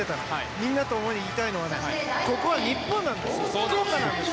みんなに言いたいのはここは日本なんです福岡なんです。